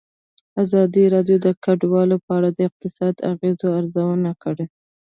ازادي راډیو د کډوال په اړه د اقتصادي اغېزو ارزونه کړې.